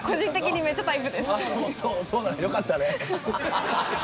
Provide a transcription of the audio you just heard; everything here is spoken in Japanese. そうなんだ、よかったね。